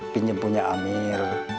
pinjem punya amir